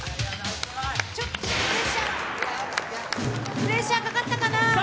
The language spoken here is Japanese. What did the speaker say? プレッシャーかかったかな。